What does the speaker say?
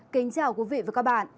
kính chào quý vị và các bạn